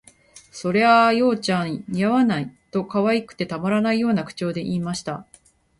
「それあ、葉ちゃん、似合わない」と、可愛くてたまらないような口調で言いました